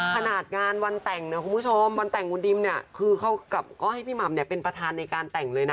ขนาดงานวันแต่งนะคุณผู้ชมวันแต่งคุณดิมเนี่ยคือเขาก็ให้พี่หม่ำเนี่ยเป็นประธานในการแต่งเลยนะ